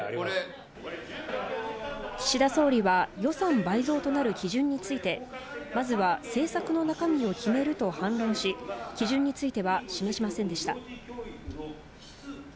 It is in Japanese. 岸田総理は、予算倍増となる基準について、まずは政策の中身を決めると反論し、基準については示しませんでした。